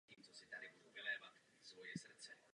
Stavbu hradil stát.